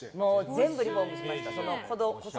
全部リフォームしました。